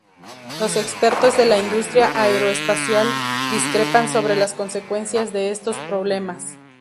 Los expertos de la industria aeroespacial discrepan sobre las consecuencias de estos problemas.